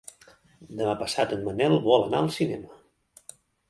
Demà passat en Manel vol anar al cinema.